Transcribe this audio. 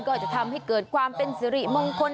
ก็จะทำให้เกิดความเป็นสิริมงคล